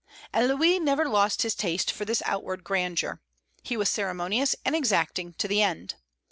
And Louis never lost his taste for this outward grandeur. He was ceremonious and exacting to the end.